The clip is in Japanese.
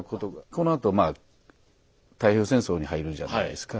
このあとまあ太平洋戦争に入るじゃないですか。